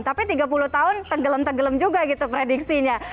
tapi tiga puluh tahun tenggelam tenggelam juga gitu prediksinya